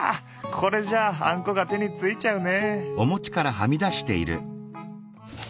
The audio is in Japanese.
これじゃあんこが手についちゃうね。